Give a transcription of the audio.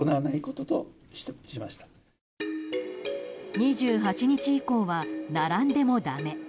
２８日以降は並んでもだめ。